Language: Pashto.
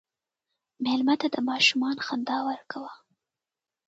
مېلمه ته د ماشومان خندا ورکوه.